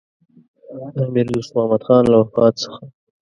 د امیر دوست محمدخان له وفات څخه.